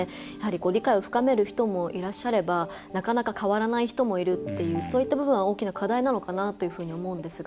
理解を深める人もいらっしゃればなかなか変わらない人もいるっていうそういった部分は大きな課題なのかなと思うんですが。